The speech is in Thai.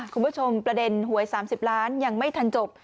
คุณผู้ชมประเด็นหวย๓๐ล้านยังไม่ทันจบ